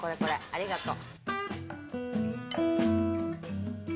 ありがと。